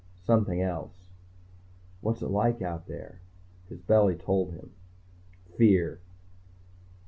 Something else. What's it like out there? His belly told him. Fear.